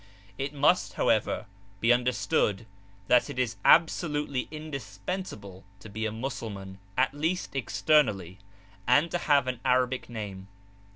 It must, however, be understood that it is absolutely indispensable to be a Mussulman (at least externally) and to have an Arabic name.